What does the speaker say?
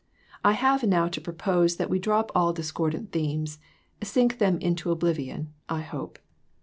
1 have now to propose that we drop all discordant themes sink them into oblivion, I hope.